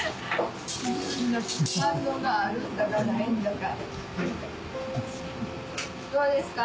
反応があるんだかないんだか。